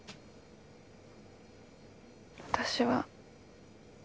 私は。